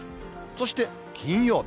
そして金曜日。